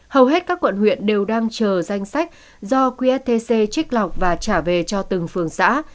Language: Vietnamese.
hầu hết các quận huyện đều đang chờ danh sách do quy stc trích lọc và trả về cho từng phương xã